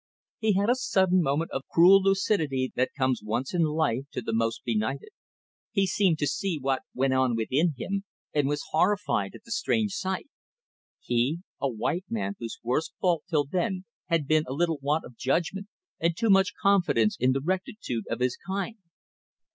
He had a sudden moment of lucidity of that cruel lucidity that comes once in life to the most benighted. He seemed to see what went on within him, and was horrified at the strange sight. He, a white man whose worst fault till then had been a little want of judgment and too much confidence in the rectitude of his kind!